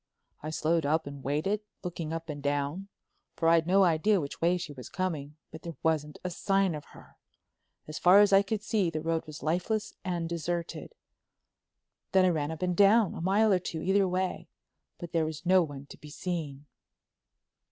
I slowed up and waited, looking up and down, for I'd no idea which way she was coming, but there wasn't a sign of her. As far as I could see, the road was lifeless and deserted. Then I ran up and down—a mile or two either way—but there was no one to be seen."